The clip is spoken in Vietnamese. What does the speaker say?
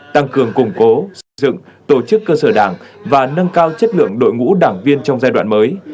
tăng cường củng cố xây dựng tổ chức cơ sở đảng và nâng cao chất lượng đội ngũ đảng viên trong giai đoạn mới